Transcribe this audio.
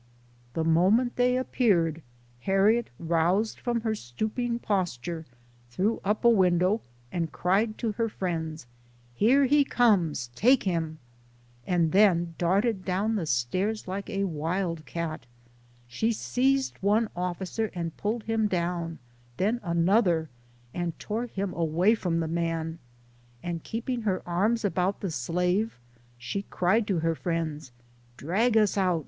The moment they appeared, Harriet roused from her stooping pos ture, threw up a window, arid cried to her friends :" Here he comes take him !" and then darted down the stairs like a wild cat. She seized one officer and pulled him down, then another, and tore him away from the man ; and keeping her arms about the slave, she cried to her friends :" Drag us out